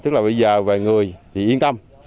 tức là bây giờ về người thì yên tâm